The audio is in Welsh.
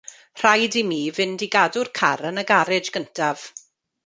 Rhaid i mi fynd i gadw'r car yn y garej gyntaf.